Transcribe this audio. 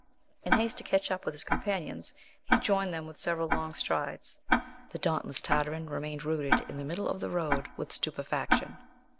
In haste to catch up with his companions, he joined them with several long strides. The dauntless Tartarin remained rooted in the middle of the road with stupefaction.